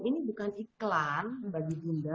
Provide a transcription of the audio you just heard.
ini bukan iklan bagi bunda